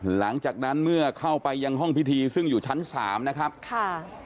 หลังจากนั้นเมื่อเข้าไปยังห้องพิธีซึ่งอยู่ชั้นสามนะครับค่ะ